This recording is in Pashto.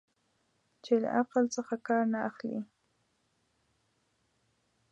چې له عقل څخه کار نه اخلي.